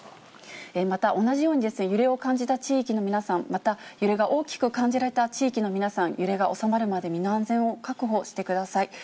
また同じようにですね、揺れを感じた地域の皆さん、また、揺れが大きく感じられた地域の皆さん、揺れが収まるまで、身の安全を確保してください。